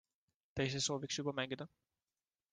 Ta ise sooviks juba mängida.